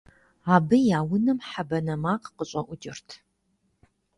Абы я унэм хьэ банэ макъ къыщӀэӀукӀырт.